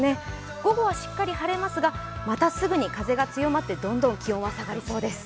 午後はしっかり晴れますが、またすぐに風が強まってどんどん気温は下がりそうです。